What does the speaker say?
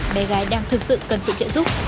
bé gái đang thực sự cần sự trợ giúp